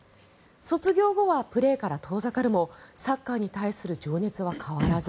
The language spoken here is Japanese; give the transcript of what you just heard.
卒業後はプレーから遠ざかるもサッカーに対する情熱は変わらず。